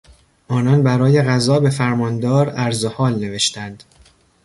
آنان برای غذا به فرماندار عرضحال نوشتند.